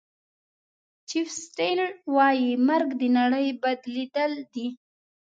چیف سیټل وایي مرګ د نړۍ بدلېدل دي.